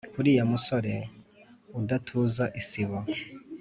Uriya musore udatuza isibo